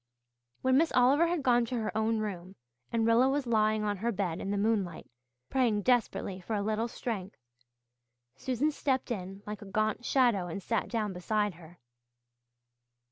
When Miss Oliver had gone to her own room and Rilla was lying on her bed in the moonlight, praying desperately for a little strength, Susan stepped in like a gaunt shadow and sat down beside her.